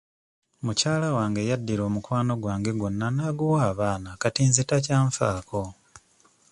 Mukyala wange yaddira omukwano gwange gwonna n'aguwa abaana kati nze takyanfaako.